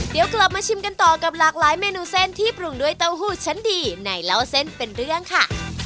เดี๋ยวกลับมาชิมกันต่อกับหลากหลายเมนูเส้นที่ปรุงด้วยเต้าหู้ชั้นดีในเล่าเส้นเป็นเรื่องค่ะ